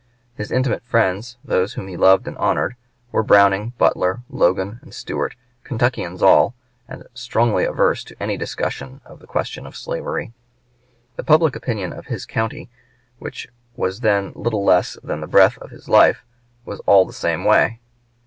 His intimate friends, those whom he loved and honored, were Browning, Butler, Logan, and Stuart Kentuckians all, and strongly averse to any discussion of the question of slavery. The public opinion of his county, which was then little less than the breath of his life, was all the same way.